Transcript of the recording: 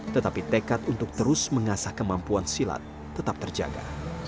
tetapi tekad untuk terus mengasah kemampuan silat tetap terjaga